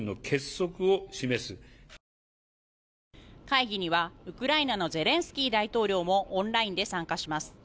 会議には、ウクライナのゼレンスキー大統領もオンラインで参加します。